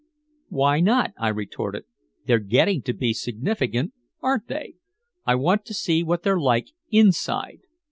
"Why not?" I retorted. "They're getting to be significant, aren't they? I want to see what they're like inside."